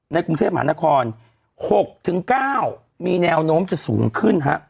กรุงเทพมหานคร๖๙มีแนวโน้มจะสูงขึ้นฮะ